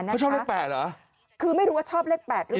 เขาชอบเลข๘เหรอคือไม่รู้ว่าชอบเลข๘หรือเปล่า